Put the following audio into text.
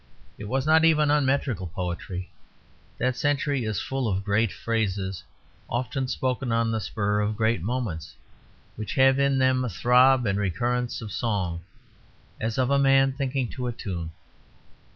It was not even unmetrical poetry; that century is full of great phrases, often spoken on the spur of great moments, which have in them the throb and recurrence of song, as of a man thinking to a tune.